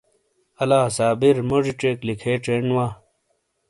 الہ صابر موزی ژیک لکے چھین وا۔